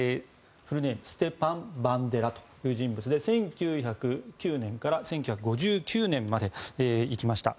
ステパン・バンデラという人物で１９０９年から１９５９年まで生きました。